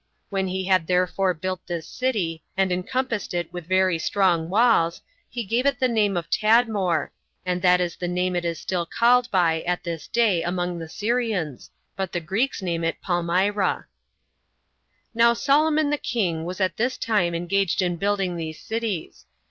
When he had therefore built this city, and encompassed it with very strong walls, he gave it the name of Tadmor, and that is the name it is still called by at this day among the Syrians, but the Greeks name it Palmyra. 2. Now Solomon the king was at this time engaged in building these cities.